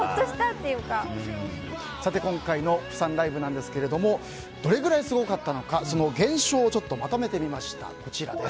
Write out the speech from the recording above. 今回の釜山ライブなんですがどれぐらいすごかったのかその現象をまとめてみました。